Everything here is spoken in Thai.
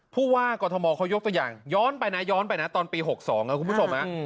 ผู้ว่ากฎมเขายกตัวอย่างย้อนไปนะตอนปี๖๒คุณผู้ชมนะ